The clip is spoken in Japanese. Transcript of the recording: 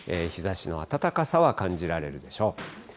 日ざしの暖かさは感じられるでしょう。